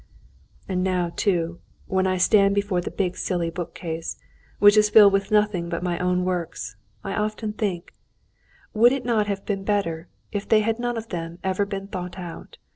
And now, too, when I stand before the big silly bookcase, which is filled with nothing but my own works, I often think, would it not have been better if they had none of them been ever thought out?